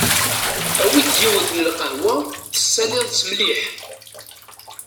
Awi-d yiwet n lqehwa tessaliḍ-tt mliḥ.